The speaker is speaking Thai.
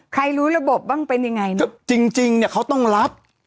รู้ระบบบ้างเป็นยังไงนะจริงจริงเนี่ยเขาต้องรับ